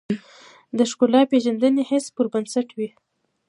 دا د ښکلا پېژندنې حس پر بنسټ وي.